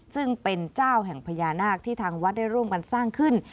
ซึ่งเป็นเจ้าแห่งพญานาคที่ทางวัดได้ร่วมกันสร้างขึ้น